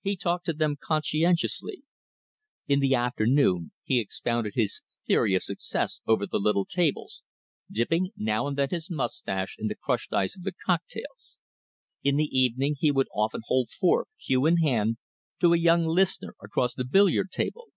He talked to them conscientiously. In the afternoon he expounded his theory of success over the little tables, dipping now and then his moustache in the crushed ice of the cocktails; in the evening he would often hold forth, cue in hand, to a young listener across the billiard table.